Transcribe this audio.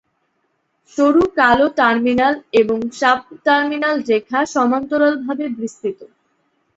সরু কালো টার্মিনাল ও সাব-টার্মিনাল রেখা সমান্তরালভাবে বিস্তৃত।